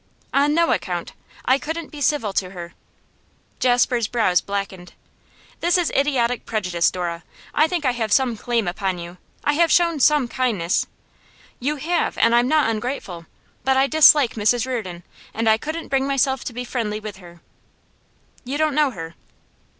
'On no account! I couldn't be civil to her.' Jasper's brows blackened. 'This is idiotic prejudice, Dora. I think I have some claim upon you; I have shown some kindness ' 'You have, and I am not ungrateful. But I dislike Mrs Reardon, and I couldn't bring myself to be friendly with her.' 'You don't know her.